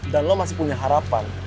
dan lo masih punya harapan